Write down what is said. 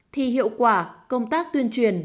thì hiệu quả công tác tuyên truyền